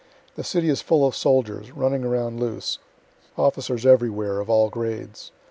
The city is full of soldiers, running around loose. Officers everywhere, of all grades.